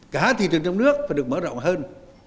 cả thị trường trong nước phải được mở rộng hơn